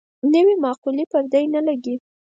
نوې مقولې پردۍ نه لګي.